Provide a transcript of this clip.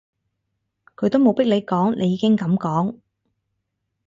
佢都冇逼你講，你已經噉講